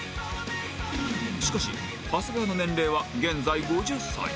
しかし長谷川の年齢は現在５０歳